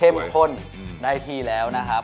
เข้มข้นได้ทีแล้วนะครับ